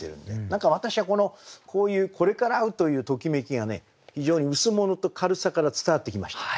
何か私はこのこういうこれから会うというときめきがね非常に羅と軽さから伝わってきました。